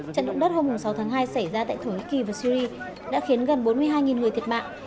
trận động đất hôm sáu tháng hai xảy ra tại thổ nhĩ kỳ và syri đã khiến gần bốn mươi hai người thiệt mạng